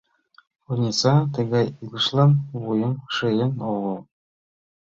Ониса тыгай илышлан вуйым шийын огыл.